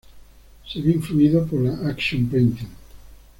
Se ve influido por la Action painting.